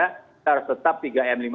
kita harus tetap tiga m lima